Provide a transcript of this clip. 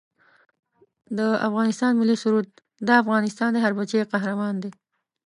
د افغانستان ملي سرود دا افغانستان دی هر بچه یې قهرمان دی